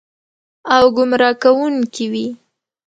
او ګمراه کوونکې وي.